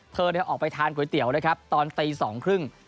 เธอออกไปทานก๋วยเตี๋ยวนะครับตอนตีสองครึ่ง